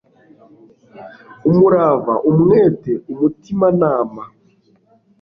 umurava, umwete umutimanama